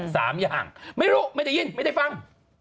สามอย่างไม่รู้ไม่ได้ยินไม่ได้ฟัง